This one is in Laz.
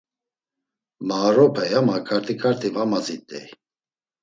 Maoropey ama ǩarti ǩarti va mazit̆ey.